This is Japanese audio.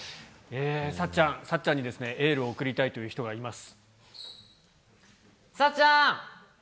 さっちゃん、さっちゃんにですね、エールを送りたいという人がいます。